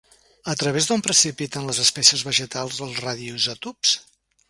A través d'on precipiten les espècies vegetals els radioisòtops?